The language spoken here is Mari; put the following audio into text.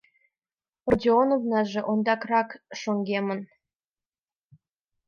Родионовнаже ондакрак шоҥгемын.